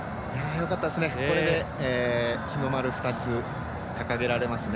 よかったですね、これで日の丸２つ掲げられますね。